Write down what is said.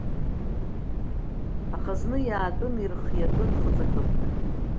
Аха зны иаатәын, ирхиатәын хыҵакырҭак.